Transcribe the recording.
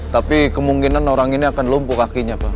tapi kemungkinan orang ini akan lumpuh kakinya pak